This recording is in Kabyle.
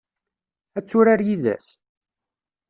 Ad turar yid-s?